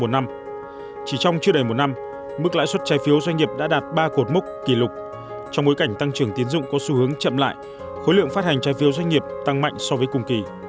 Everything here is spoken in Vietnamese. nóng phát hành trái phiếu doanh nghiệp tăng mạnh so với cùng kỳ